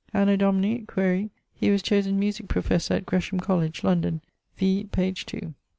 Anno Domini ... (quaere) he was chosen musique professor at Gresham Colledge, London, v. pag.